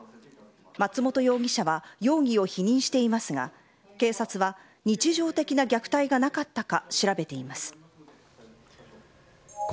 松本容疑者は容疑を否認していますが、警察は、日常的な虐待がなかったか調べています。